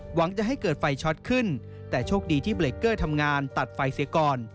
หวังจะให้เกิดไฟช็อตขึ้นแต่โชคดีที่เบรกเกอร์ทำงานตัดไฟเสียก่อน